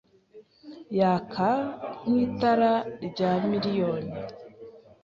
Yaka nk'itara rya miliyoni